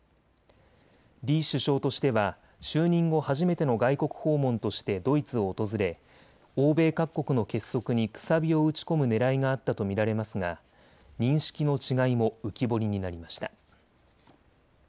李首相としては就任後、初めての外国訪問としてドイツを訪れ欧米各国の結束にくさびを打ち込むねらいがあったと見られますが認識の違いも浮き彫りになりました。